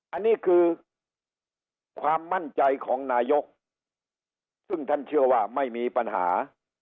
อันนี้คือความมั่นใจของนายกซึ่งท่านเชื่อว่าไม่มีปัญหา